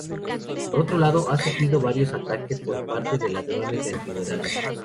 Por otro lado, ha sufrido varios ataques por parte de ladrones de antigüedades.